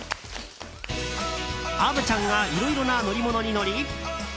虻ちゃんがいろいろな乗り物に乗り